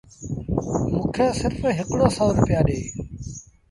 موݩ کي سرڦ هڪڙو سو روپيآ ڏي